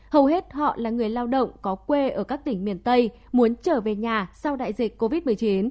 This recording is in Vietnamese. hầu hết họ là người lao động có quê ở các tỉnh miền tây muốn trở về nhà sau đại dịch covid một mươi chín